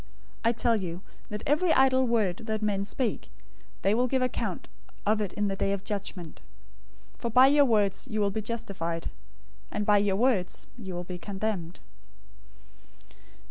012:036 I tell you that every idle word that men speak, they will give account of it in the day of judgment. 012:037 For by your words you will be justified, and by your words you will be condemned."